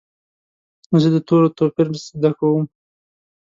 زه د تورو توپیر زده کوم.